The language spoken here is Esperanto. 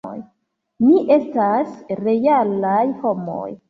Ni estas realaj homoj.